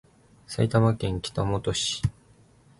埼玉県北本市